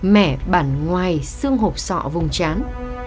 mẻ bản ngoài xương hộp sọ vùng chán